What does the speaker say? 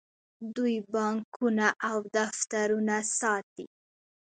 دوی بانکونه او دفترونه ساتي.